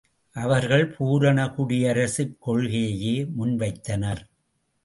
அவர்கள் பூரண குடியரசுக் கொள்கையையே முன்வைத்தனர்.